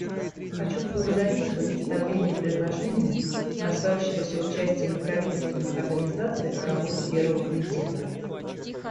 Хочу поблагодарить за представление предложения, касающегося участия неправительственных организаций в работе Первого комитета.